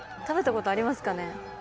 食べたことありますかね？